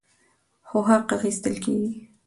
خو حق اخیستل کیږي.